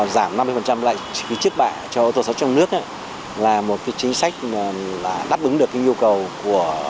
giảm năm mươi lệ phí trước bã cho ô tô sản xuất trong nước là một chính sách đáp ứng được yêu cầu của